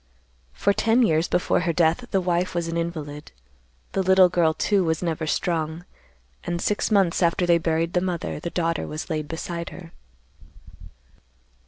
"For ten years before her death the wife was an invalid. The little girl, too, was never strong, and six months after they buried the mother the daughter was laid beside her.